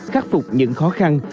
khắc phục những khó khăn